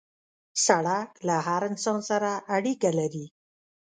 سړک له هر انسان سره اړیکه لري.